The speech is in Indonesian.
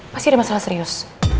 pasti ada masalah serius